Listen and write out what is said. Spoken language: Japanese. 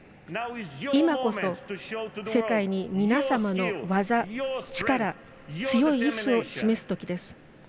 今こそ世界に、皆様の技、力強い意志を示すときです。